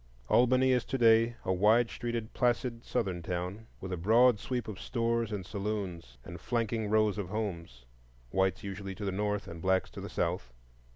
Albany is to day a wide streeted, placid, Southern town, with a broad sweep of stores and saloons, and flanking rows of homes,—whites usually to the north, and blacks to the south.